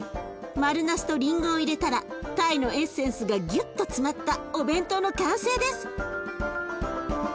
丸なすとりんごを入れたらタイのエッセンスがぎゅっと詰まったお弁当の完成です！